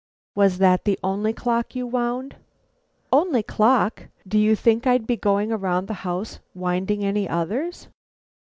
"Was that the only clock you wound?" "Only clock? Do you think I'd be going around the house winding any others?"